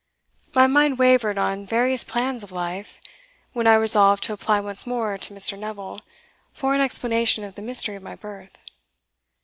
My mind wavered on various plans of life, when I resolved to apply once more to Mr. Neville for an explanation of the mystery of my birth.